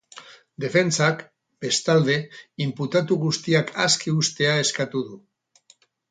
Defentsak, bestalde, inputatu guztiak aske uztea eskatu du.